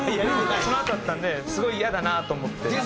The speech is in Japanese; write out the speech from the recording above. そのあとだったんですごいイヤだなと思って。